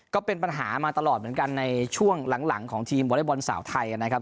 ก็เป็นปัญหามาตลอดเหมือนกันในช่วงหลังของทีมวอเล็กบอลสาวไทยนะครับ